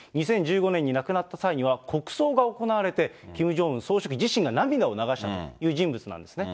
２０１５年に亡くなった際には、国葬が行われて、キム・ジョンウン総書記自身が涙を流したという人物なんですね。